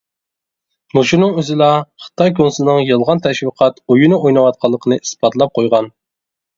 مۇشۇنىڭ ئۆزىلا خىتاي كونسۇلىنىڭ يالغان تەشۋىقات ئويۇنى ئويناۋاتقانلىقىنى ئىسپاتلاپ قويغان.